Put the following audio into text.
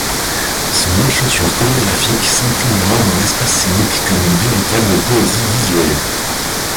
Son écriture chorégraphique s’imprime alors dans l’espace scénique comme une véritable poésie visuelle.